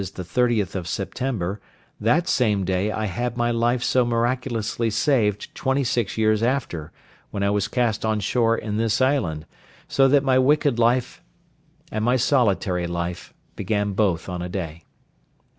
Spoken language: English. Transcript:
the 30th of September, that same day I had my life so miraculously saved twenty six years after, when I was cast on shore in this island; so that my wicked life and my solitary life began both on a day.